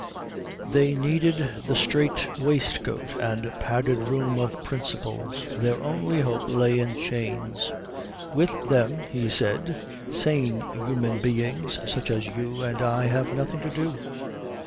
They needed the straight waistcoat and padded room of principles. Their only hope lay in chains. "With them," he said, "sane human beings such as you and I have nothing to do."